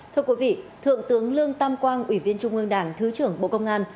thưa quý vị thượng tướng lương tam quang ủy viên trung ương đảng thứ trưởng bộ công an